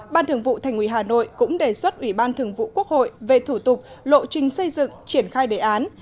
ban thường vụ thành ủy hà nội cũng đề xuất ủy ban thường vụ quốc hội về thủ tục lộ trình xây dựng triển khai đề án